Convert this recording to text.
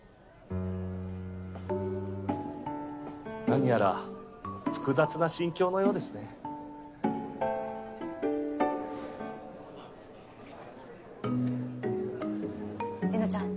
何やら複雑な心境のようですね玲奈ちゃん